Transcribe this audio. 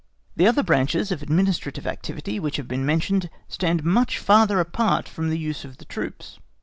The other branches of administrative activity which we have mentioned stand much farther apart from the use of the troops.